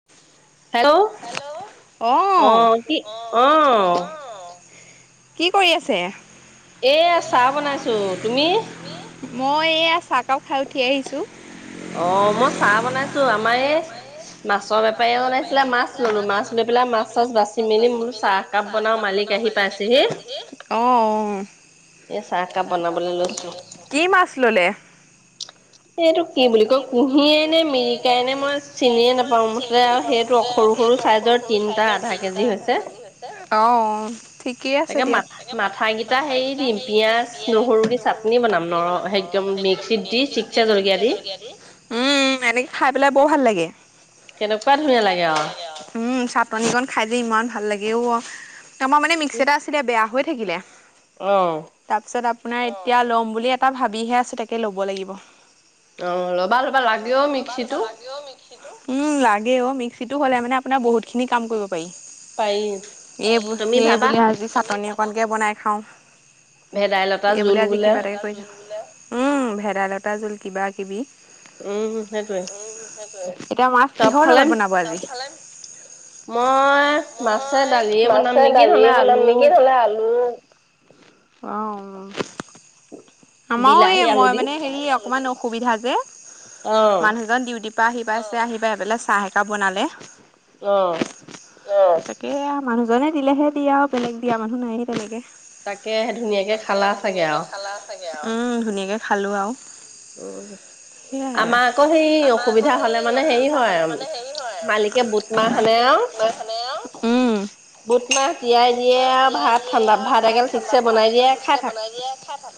[inaudible] Hello অ', অঁ' কি? অঁ'। কি কৰি আছে? এইয়া চাহ বনাইছোঁ, তুমি? মই এয়া চাহ কাপ খাই উঠি আহিছো। অ' মই চাহ বনাইছো, আমাৰ এই- মাছৰ বেপাৰী এজন আহিছিলে মাছ ল'লোঁ, মাছ লৈ পেলাই মাছ-চাছ বাচি মেলি মই বোলো চাহ- কাপ বনাওঁ মালিক আহি পাইছেহি। অঁ অ' এই চাহ কাপ বনাবলৈ লৈছো কি মাছ ল'লে? সেইটো কি বুলি কয়, কুঁহিয়ে নে মিৰিকাই নে, মই চিনিয়ে নোপাওঁ, মুঠতে আৰু সেইটো সৰু সৰু চাইজৰ তিনিটা আধা কেজি হৈছে। অঁ', অ'। ঠিকেই আছে দিয়ক। এনে মা, মাথা কেইটা হেৰি দিম, পিয়াজঁ, নহৰু দি চাটনি বনাম, নৰ একদম মিক্সিত দি ঠিকছে জলকীয়া জলকীয়া দি। উম, উম, এনেকে খায় পেলাই বৰ ভাল লাগে। কেনকোৱা ধুনীয়া লাগে আও। উম চাট চাটনিকন খায় যে ইমান ভাল লাগে অ!, আমাৰ মানে মিক্সি এটা আছিলে বেয়া হৈ থাকিলে। অঁ। তাৰপিছত আপোনাৰ এতিয়া ল'ম বুলি এটা ভাবিহে আছো, তাকে ল'ব লাগিব। অ', ল'বা ল'বা লাগেও মিক্সিটো। উম লাগে অ', মিক্সিতো হ'লে মানে আপোনাৰ বহুত খিনি কাম কৰিব পাৰি। পাৰি এই, তুমি এই ভাবা বোলো আজি চাটনি অকণকে বনাই খাওঁ। ভেদাইলতা এই বোলি জোল আজি বোলে কিবা এটাকে কৰি খাওঁ। উম, ভেদাইলতা জোল, কিবা কিবি। উম, সেইটোৱে। এতিয়া মাছ কিহৰ চবফালে লগত বনাব আজি? মই মাছে মই দালিয়ে বনাম মাছে নেকি নহ'লে দালিয়ে আলু বনাম নেকি, নহ'লে আলু অঁ। আমাৰো এই, বিলাহী আলু মই দি মানে হেৰি অকমান অসুবিধা যে, অ', মানুহজন ডিউটি পা আহি পাইছে, আহি পাই পেলাই চাহ একাপ বনালে। অঁ। অঁ, তাকে আও মানুহজনে দিলেহে দিয়া আও বেলেগ দিয়া মানুহ নাইয়ে তেনেকে। তাকে ধুনীয়াকে খালা চাগে আও। উম ধুনীয়াকে খালো আও। উম। আমাৰ আকৌ সেই অসুবিধা হলে মানে হেৰি হয় মালিকে বুট মাহ সানে মালিকে আৰু বুট লাই খনে আও উম। বুট মাহ তিয়াই দিয়ে আও ভাত ঠাণ্ডা ভাত এগেল ঠিকছে বনাই দিয়ে আও খায় থাক। দিয়ে খায় থাক।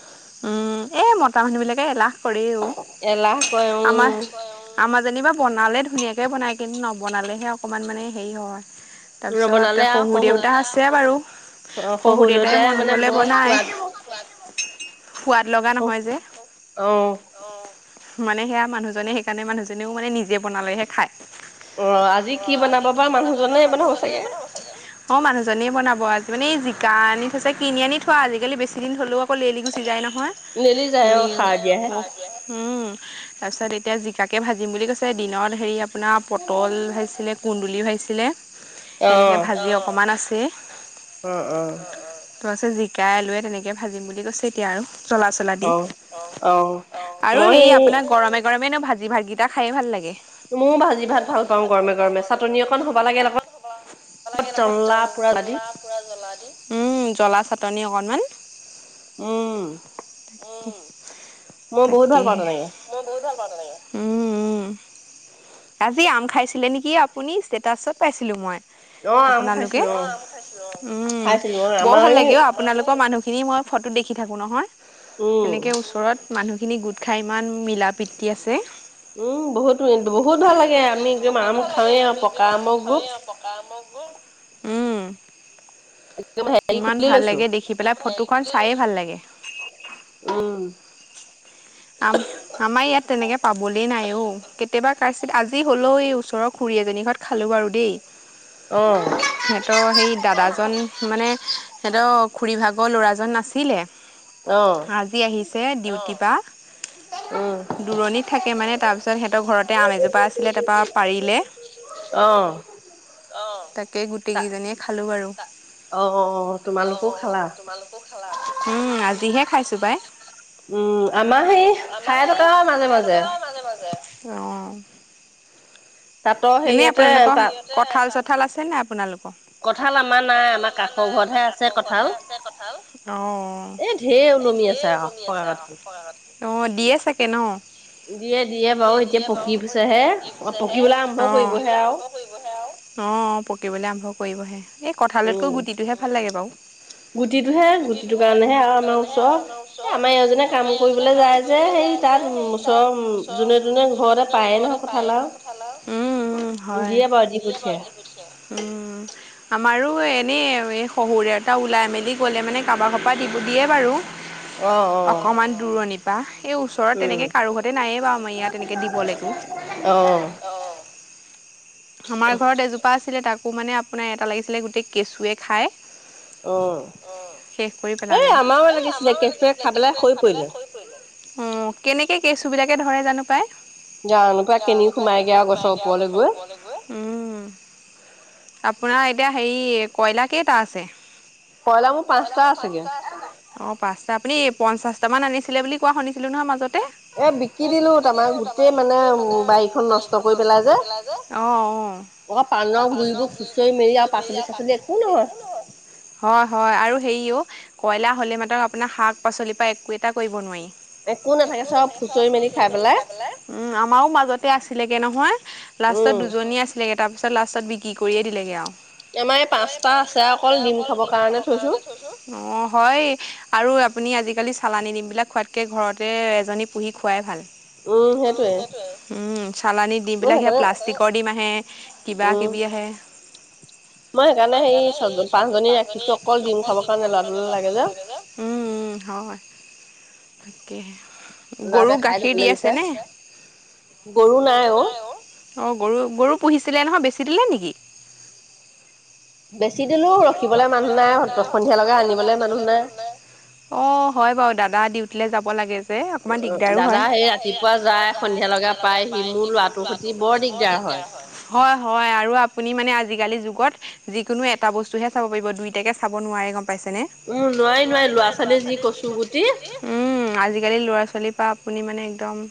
উম এ মতা মানুহবিলাকে এলাহ কৰে ঔ এলাহ কৰে আমাৰ উম, আমাৰ যেনিবা বনালে ধুনীয়াকৈ বনায় কিন্তু নবনালেহে অকণমান মানে হেৰি হয়। তাৰপিছত নবনালে আৰু শহুৰ শহু দেউতা আছে বাৰু, অ' শহু শহুৰ দেউতাই মন মানে গ'লে বৰ বনায়। সোৱাদ [unintelligible] সোৱাদ লগা নহয় যে। অ মানে সেয়া মানুহজনে সেইকাৰণে মানুহজনেও মানে নিজে বনালেহে খায়। অ আজি কি বনাব বা মানুহজনে বনাব চাগে? অ মানুহজনে বনাব, আজি মানে জিকা আনি থৈছে কিনি আনি থোৱা আজিকালি বেছি দিন হ'লেও আকৌ লেলি গুছি গুচি যায় নহয় নেলি যায় এই অ সাৰ দিয়াহে হয়। উম তাৰপিছত এতিয়া জিকাকে ভাজিম বুলি কৈছে দিনত হেৰি আপোনাৰ পটল ভাজিছিলে কুন্দুলি ভাজিছিলে। এনেকে ভাজি অকমান আছে। অঁ অঁ। টো আছে জিকাই আলুৱে তেনেকে ভাজিম বুলি কৈছে এতিয়া আৰু। জলা চলা দি, অ' অ' আৰু মই হেৰি আপোনাক গৰমে গৰমে ন ভাজি ভাজি এটা খায় ভাল লাগে। মইও ভাজি ভাত ভাল পাওঁ। গৰমে গৰমে চাটননি অকন হব লাগে লগত [unintelligible] জল্লা পুৰা আ দি পোৰা জলা দি উম, জলা চাটনি অকনমান উম', উম', মই বহুত ভাল পাওঁ তাকেহে তেনেকে মই বহুত ভাল পাওঁ তেনেকে, উম, উম, আজি আম খাইছিলে নেকি আপুনি? ষ্টেটাছত পাইছিলোঁ মই। অ' আম আপোনা লোকে খাইছিলোঁ অ' উম, খাইছিলোঁ অ' বৰ আমাৰ এই লাগে অ, আপোনালোকৰ মানুহখিনি মই ফটোত দেখি থাকো নহয়। উম। এনেকৈ ওচৰত মানুহখিনি গোট খাই ইমান মিলা প্ৰীতি আছে। উম', বহুত বহুত ভাল লাগে। আমি একদম আম খাওঁৱে আৰু পকা আমৰ গ্ৰুপ পকা আমৰ গ্ৰুপ উম', একদম হেৰি ইমান খুলি ভাল লৈছো লাগে, দেখি পেলাই ফটোখন চাইে ভাল লাগে। উম', আম আমাৰ ইয়াত তেনেকৈ পাবলৈই নাই অ, কেতিয়াবা কাতছিল আজি হ'লেও এই ওচৰৰ খুুৰী এজনীৰ ঘৰত খালোঁ বাৰু দেই, অ', সিহঁতৰ সেই দাদাজন মানে সিহঁতৰ খুুৰী ভাগৰ ল'ৰাজন নাছিলে। [inaudible] আজি আহিছে ডিউটি পা উম দূৰণিত থাকে মানে, তাৰপিছত সিহঁতৰ ঘৰতে আম এজোপা আছিলে তাৰপা পাৰিলে৷ অ', অ', তাকে, গোটেই তা কেইজনীয়ে খালো বাৰু অ অ', তোমালোকো খালা তোমালোকো খালা? উম', আজিহে খাইছো পাই৷ উম', আমাৰ সেই খাই থকা হয়। মাজে -মাজে মাজে মাজে অ', তাঁতৰ এনেই হেৰিয়তে আপোনালোকৰ, তাত কঁঠাল চঁঠাল আছেনাই আপোনালোকৰ? কঁঠাল আমাৰ নাই কঠাল আমাৰ কাষৰ নাই, ঘৰতহে আমাৰ আছে কাষৰ কঁঠাল। ঘৰতহে আছে কঠাল৷ অ, এই ঢেৰ ওলমি আছে, আও পকা কঠাল৷ অ', দিয়ে চাগে ন? দিয়ে। দিয়ে, বাৰু এতিয়া পকিছেহে অ, পকিবলৈ আৰম্ভ অ', অ, কৰিবহে আৰু পকিবলৈ আৰম্ভ কৰিবহে৷ এই কঁঠালতকৈও উম। গুটিটোহে ভাল লাগে বাৰু [inaudible] গুটিটোহে গুটিটো কাৰণেহে আৰু আমাৰ ওচৰত, এ, আমাৰ এজনে কাম কৰিবলৈ যায় যে সেই তাত তাৰ ওচৰৰ যোনে ওচৰৰ, তোনে যোনে ঘৰতে যোনে পায়ে নহয় ঘৰৰে কঁঠাল পায়ে নহয়, আৰু কঠালাও উম', উম, দিয়ে বাৰু দি পঠিয়াই হয়। উম, আমাৰো এনেই, এই শহুৰ দেউতা ওলাই মেলি গ'লে মানে কাৰোবাৰ কপাৰ দিব দিয়ে বাৰু অ অ অকণমান দূৰণি বা, এই ওচৰত উম তেনেকে কাৰো ঘতে নায়ে বাৰু আমাৰ ইয়াত, তেনেকে দিব লেকো, অ', আমাৰ ঘৰত এজোপা আছিলে, তাকো মানে আপোনাৰ এটা লাগিছিলে গোটেই কেঁচুৱে খাই অ', শেষ কৰি এ পেলালে আমাৰো লাগিছিলে, কেচুৱে খাই পেলাই সৰি পৰিলে৷ অ', কেনেকে কেচু বিলাকে ধৰে জানো পাই? যানো পাই, এনেকুৱা কেনিনো সোমাইগে আৰু গছৰ ওপৰলৈ গৈ? উম৷ আপোনাৰ এতিয়া হেৰি, কয়লা কেইটা আছে? কইলা মোৰ পাঁচটা আছেগৈ৷ অ', পাঁচটা, আপুনি পঞ্চাশটা মান আনিছিলে বুলি কোৱা শুনিছিলো নহয় মাজতে৷ এ বিকি দিলো তাৰমানে গোটেই মানে উ বাৰি বাৰীখন নষ্ট কৰি পেলাই যে, অ', অ'। অ', পানৰ গুৰিবোৰ খুচৰি মেৰি আৰু পাচলি-চাচলি একো নহয়৷ হয়, হয়, আৰু হেৰি ও কইলা হ'লে মাত্ৰক আপোনাৰ শাক পাচলিৰ পৰা একো এটা কৰিব নোৱাৰি৷ একো নাথাকে চব খুচৰি মেলি খাই পেলাই, উম, আমাৰো মাজতে আ আছিলেগে নহয়, লাষ্টত উম, দুজনী আছিলেগে, তাৰপিছত লাষ্টত বিক্ৰী কৰিয়ে দিলেগে আৰু৷ আমাৰ এই পাঁচটা আছে অকল, ডিম খাব কাৰণে থৈছো৷ অ', হয়৷ আৰু আপুনি আজিকালি চালানী দিম বিলাক খোৱাতকৈ, ঘৰতে এজনী পুহি খোৱাই ভাল৷ উম, সেইটোৱেই, উম৷ চালানী ডিম মই বিলাক সেই সেইকাৰণে প্লাষ্টিকৰ ডিম আহে, কিবা উম, কিবি আহে৷ মই সেইকাৰণে, সেই ছয়জন পাঁচজনী ৰাখিছো, অকল ডিম খাবৰ কাৰণে ল'ৰাটোলে লাগে যে৷ উম, হয়, তাকেহে৷ গৰু ল'ৰাটোৱে খাই গাখীৰ দি থাকিবলৈ বিচাৰে আছেনে? গৰু নাই অ'৷ অ', গৰু, গৰু পুহিছিলে নহয় বেছি দিলে নেকি? বেছি দিলো, ৰখিবলৈ মানুহ নাই, সন্ধিয়া লৈকে আনিবলৈ মানুহ নাই৷ অ', হয় বাৰু, দাদা ডিউটিললৈ যাব লাগে৷ অকমান দিগদাৰো হয়৷ দাদা সেই ৰাতিপুৱা যায়, সন্ধিয়া লগে পাই সি মোৰ ল'ৰা টো সৈতে বোৰ দিগদাৰ হয়। হয়, হয়, আৰু আপুনি মানে আজিকালি যুগত যিকোনো এটা বস্তুহে চাব পাৰিব দুইটাকে চাব নোৱাৰে গ'ম পাইছেনে? উম, নোৱাৰি নোৱাৰি ল'ৰা-ছোৱালী যি কচু গুটি। আজিকালি ল'ৰা-ছোৱালীৰ পৰা আপুনি একদম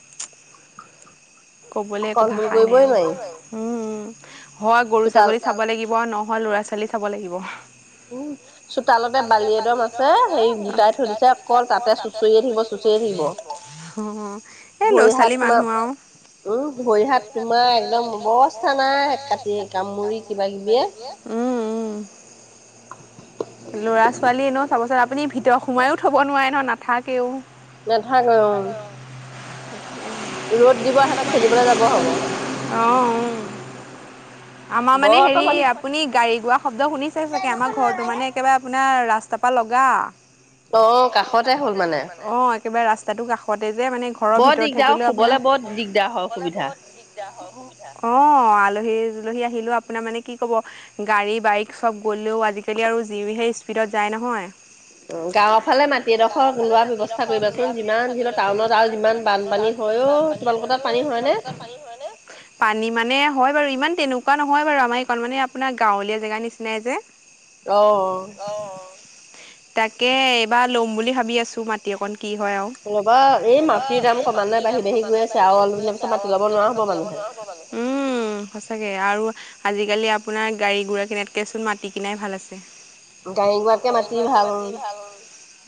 ক'বলে একো কন্ট্ৰল ভাষাই নাই কৰিবই আৰু নোৱাৰি উম, উম। হয়, গৰু চোতাল ছাগলী চাব লাগিব নহয় ল'ৰা-ছোৱালী চাব লাগিব। উম, চোতালতে বালি এদম আছে সেই গোটাই থৈ দিছে অকল তাতে চো [unintelligible] এই ভৰি হাত ল'ৰা-ছোৱালী তোমাৰ মানুহ আৰু। উম, ভৰি-হাত তোমাৰ একদম অবস্থা নাই কাটি কামুৰি কিবা কিবিয়ে। উম, উম। ল'ৰা-ছোৱালী এনেয়ো চাবচোন আপুনি ভিতৰত সুমোৱাইও থ'ব নোৱাৰে নহয়, নাথাকেও। নাথাকে অ'। ৰ'দ দিব সিঁহতৰ খেলিবলৈ যাব হ'ব। অ', অ'। আমাৰ মানে বৰ হেৰি তপনি আপুনি গাড়ী-গুৰা শব্দ শুনিছেই চাগে, আমাৰ ঘৰটো মানে একেবাৰে আপোনাৰ ৰাস্তাৰ পৰা লগা। অ কাষতে হ'ল মানে। অ', একেবাৰে ৰাস্তাটো কাষতে যে মানে ঘৰৰ ভিতৰত থাকিলেও আপোনাৰ [unintelligible] দাৰ হয়, অসুবিধা। অ', আলহী-দুলহী আহিলেও আপোনাৰ মানে কি ক'ব, গাড়ী বাইক চব গ'লেও আজিকালি আৰু যি হে স্পীডত যায় নহয়। অ গাঁৱৰ ফালে মাটি এডোখৰ গাঁৱৰ ফালে লোৱাৰ মাটি ব্যৱস্থা এডোখৰ কৰিবাচোন লোৱা যিমান ব্যৱস্থা যি হলেও কৰিবাচোন, টাউনত আৰু যিমান দূৰত টাউনত বানপানী আৰু হয় ইমান অ বানপানী তোমালোকৰ হয় তাত পানী অ' হয়নে? তোমালোকৰ তাত পানী হয় নে? পানী মানে হয় বাৰু, ইমান তেনেকুৱা নহয় বাৰু, আমাৰ এইকণ মানে আপোনাৰ গাঁৱলীয়া জেগা নিছিনাই যে। অ', অ'। তাকে এইবাৰ ল'ম বুলি ভাবি আছো মাটি অকন কি হয় আৰু। ৰ'বা এই মাটিৰ দাম ক্ৰমান্বয়ে বাঢ়ি বাঢ়ি গৈ আছে, আৰু অলপ দিনৰ পিছত মাটি ল'ব নোৱাৰ হ'ব মানুহে। উম সঁচাকে, আৰু আজিকালি আপোনাৰ গাড়ী গুৰা কিনাতকেচোন মাটি কিনাই ভাল আছেঁ। গাডী গুৰাতকে মাতি ভাল।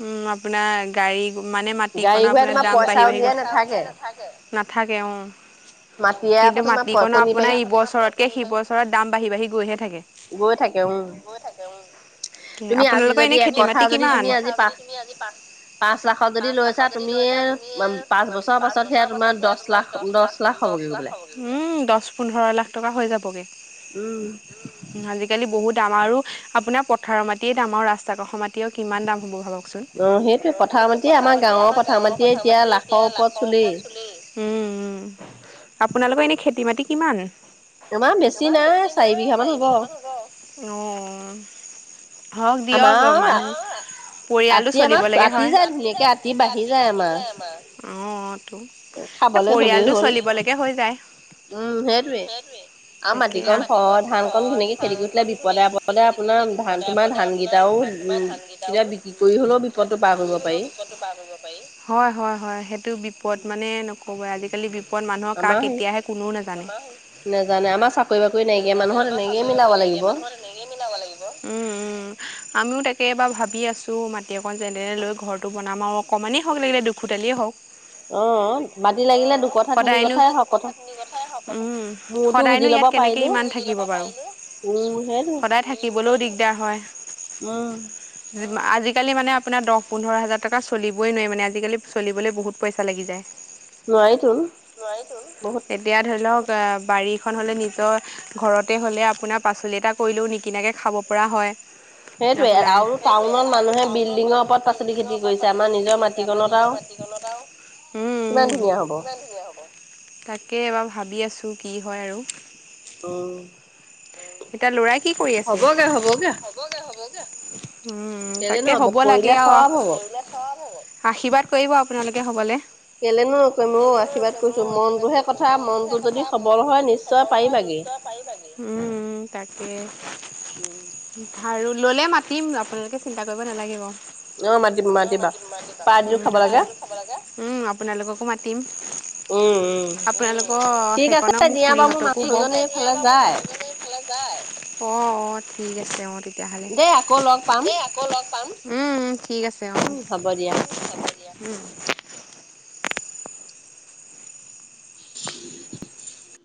উম, আপোনাৰ গাড়ী মানে মাটি গাড়ী কণো ঘোঁৰাই আপোনাৰ তোমাৰ দাম পইচা বাঢ়ি গৈ, উলিয়াই নাথাকে। নাথাকে অ'। মাটিয়ে আকৌ কিন্তু তোমাৰ মাটিকণ কণী পাৰি আপোনাৰ ইবছৰতকে সিবছৰত দাম বাঢ়ি বাঢ়ি গৈ হে থাকে। গৈ থাকে উম। গৈ থাকে উম। তুমি আজি আপোনালোকৰ যদি এনেই খেতি একঠা মাটি যদি তুমি কিমান? আজি পাঁচ পাঁচ লাখত যদি লৈছা তুমি পাঁচ বছৰৰ পাছত সেয়া তোমাৰ দচ লাখ দচ লাখ হ'বগে গৈ পেলাই। উম, দচ পোন্ধৰ লাখ টকা হৈ যাবগৈ। উম। আজিকালি বহুত দাম, আৰু আপোনাৰ পথাৰৰ মাটিয়ে দাম আৰু ৰাস্তা কাষৰ মাটি টিও কিমান দাম হ'ব ভাবকচোন। অ', সেইটো পথাৰৰ মাটি আমাৰ গাঁৱৰ পথাৰ মাটিয়ে এতিয়া লাখৰ ওপৰত চুলেই, উম। আপোনালোকৰ এনে খেতি মাটি কিমান? আমাৰ বেছি নাই চাৰি বিঘা মান হ'ব। অ', হওঁক দিয়ক অ' আমাৰ মানুহ পৰিয়ালটো আতি আমাৰ চলিবলৈকে আতি হয়। যায় ধুনীয়াকে আতি বাঢ়ি যায় আমাৰ অ' তো। এই খাবলৈ হ'লেই পৰিয়ালটো হ'ল, চলিবলৈকে হৈ যায় উম সেইটোৱে। আ তাকে মাটিকন সৰহ ধান অকন ধুনীয়াকে খেতি কৰিছিলে বিপদে আপদে আপোনাৰ ধান তোমাৰ ধান কেইটাও কেতিয়াবা বিক্ৰি কি কৰি হ'লেও বিপদটো পাৰ কৰিব পাৰি। হয়। হয়। হয়। সেইটো বিপদ মানে নকব ই। আজিকালি বি মানুহৰ কাক আমাৰ সেই কেতিয়া আহে কোনেও নাজানে। নেজানে আমাৰ চাকৰি বাকৰি নাইকিয়া নেজানে। মানুহৰ তেনেকেই চাকৰি মিলাব বাকৰি নাইকিয়া লাগিব। মানুহৰ উম! উম! আমিও তাকে এবাৰ ভাবি আছোঁ, মাটি অকন যেনে তেনে লৈ ঘৰ টো বনাম আৰু অকমান হওক লাগিল দুখুটালেই হওক! অ মাটি লাগিলে অ', দুকথা তিনি সদাই নো কথাই হওক কথা মূৰতো গুজি সদায়নো লব ইয়াত কেনেকে পাৰিলে ইমান থাকিব বাৰু? উম সেইটোৱে সদায় থাকিবলৈও দিগদাৰ হয়। উম আজিকালি মানে আপোনাৰ দহ পোন্ধৰ হাজাৰ টকা চলিবই নো ৱায়ি মানে? আজিকালি চলিবলৈ বহুত পইচা লাগি যায়। [inaudible] নোৱাৰিতো বহুত এতিয়া ধৰি লওঁক বাৰীখন হলে নিজৰ ঘৰতে হ'লে আপোনাৰ পাচলি এটা কৰিলেও নিকিনাকৈ খাব পৰা হয়। [inaudible] সেইটোৱে আপোনাৰ আৰু টাউনত মানুহে বিল্ডিঙৰ ওপৰত পাচলি খেতি কৰিছে। আমাৰ নিজৰ মাটিকণত আৰু [inaudible] কিমান উম ধুনীয়া হ'ব? তাকে এইবাৰ ভাবি আছো কি হয় আৰু? [inaudible] এতিয়া লৰাই কি কৰি আছে? হবগে হবগে উম উম, কেলে তাকে নহ'ব। হ'ব লাগে কৰিলে আও চব হ'ব। আশীৰ্বাদ কৰিব আপোনালোকে হবলে। [inaudible] কেলেনো নকৰিম অ আশীৰ্বাদ কৰিছো মনটোহে কথা মনটো যদি সবল হয় নিশ্চয় পাৰিবাগে। উম উম তাকে। ভাৰু ললে মাতিম আপোনালোকে চিন্তা কৰিব নালাগে বাও। অ মাতিম মাতিবা পাৰ্টিটো উম খাব লাগে আপোনাক উম আপোনালোককো মাতিম। উম উম। আপোনালোক ঠিক সেইকন আছে মোৰ দিয়া খুৰী বাৰু হঁতকো বৰ মানুহজনে এইফালে যায় অঁ অঁ ঠিক আছে অঁ। দেই আকৌ লগ পাম। আকৌ লগ পাম, উম উম ঠিক আছে অঁ, উম হ'ব দিয়া। ঠিক আছে দিয়া উম। [inaudible]